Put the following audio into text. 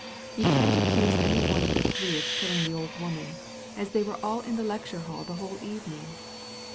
You can't accuse any one of the three of killing the old woman, as they were all in the lecture hall the whole evening.